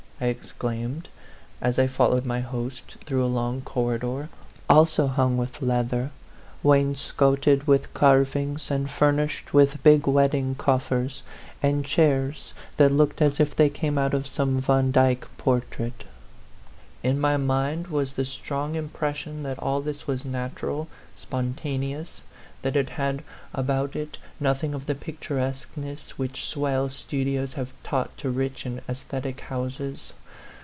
I ex claimed, as I followed my host through a long corridor, also hung with leather, wain scoted with carvings, and furnished with big wedding coffers, and chairs that looked as if they came out of some Vandyck portrait. 2 18 A PHANTOM LOVER. In my mind was the strong impression that all this was natural, spontaneous that it had about it nothing of the picturesqueness which swell studios have taught to rich and aesthetic houses.